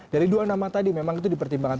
dari dua nama tadi memang itu dipertimbangkan